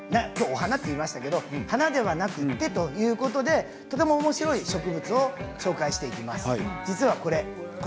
花といいましたが花ではなくてということでおもしろい植物を紹介していきます。